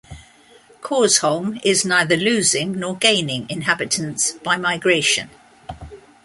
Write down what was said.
Korsholm is neither losing nor gaining inhabitants by migration.